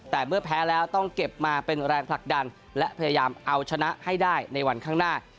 แต่เมื่อแพ้แล้วต้องเก็บมาเป็นแรงผลักดันและพยายามเอาชนะให้ได้ในวันข้างหน้า